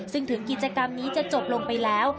ซึ่งถึงกิจกรรมนี้จะจบลงไปแล้ว